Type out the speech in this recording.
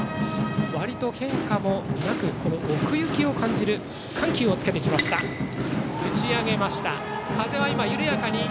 割と変化もなく奥行きを感じる緩急をつけてきました。